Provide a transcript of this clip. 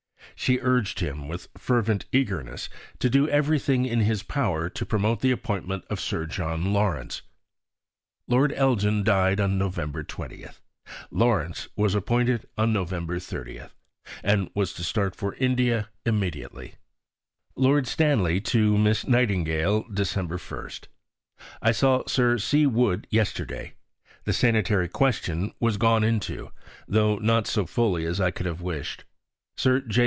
She urged him with fervent eagerness to do everything in his power to promote the appointment of Sir John Lawrence. Lord Elgin died on November 20. Lawrence was appointed on November 30, and was to start for India immediately: (Lord Stanley to Miss Nightingale.) Dec. 1. I saw Sir C. Wood yesterday. The sanitary question was gone into, tho' not so fully as I could have wished. Sir J.